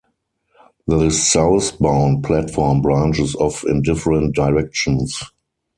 The southbound platform branches off in different directions.